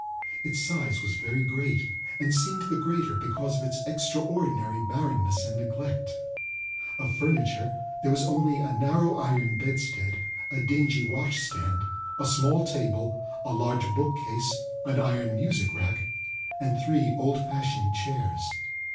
Its size was very great, and seemed the greater because of its extraordinary barrenness and neglect. Of furniture there was only a narrow iron bedstead, a dingy wash stand, a small table, a large bookcase, an iron music rack, and three old fashioned chairs.